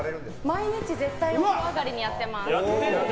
毎日絶対お風呂上がりにやってます。